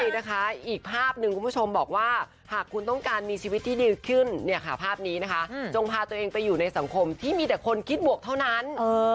ใช่นะคะอีกภาพหนึ่งคุณผู้ชมบอกว่าหากคุณต้องการมีชีวิตที่ดีขึ้นเนี่ยค่ะภาพนี้นะคะจงพาตัวเองไปอยู่ในสังคมที่มีแต่คนคิดบวกเท่านั้น